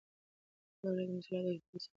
د دولت مسؤلیت د کیفیت څارنه ده.